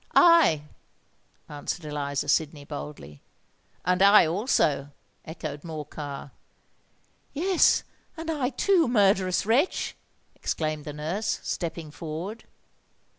"I!" answered Eliza Sydney, boldly. "And I also!" echoed Morcar. "Yes—and I too, murderous wretch!" exclaimed the nurse, stepping forward.